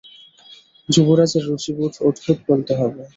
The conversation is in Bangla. যুবরাজের রুচিবোধ অদ্ভুত বলতে হবে।